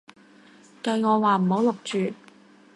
計我話唔好錄住